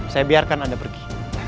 saya biarkan anda pergi